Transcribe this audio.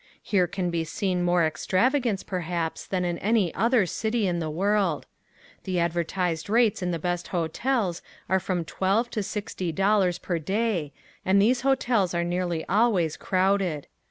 Here can be seen more extravagance perhaps than in any other city in the world. The advertised rates in the best hotels are from twelve to sixty dollars per day and these hotels are nearly always crowded.